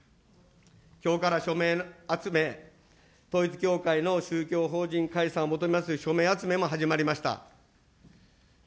きょうから署名集め、統一教会の宗教法人解散を求めますという署名集めも始まりました。